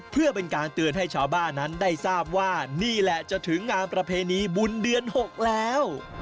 เพื่อเป็นการเตือนให้ชาวบ้านนั้นได้ทราบว่านี่แหละจะถึงงานประเพณีบุญเดือน๖แล้ว